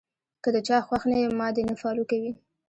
کۀ د چا خوښ نۀ يم ما دې نۀ فالو کوي -